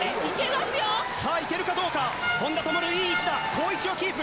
さあ、いけるかどうか、本多灯いい位置だ、好位置をキープ。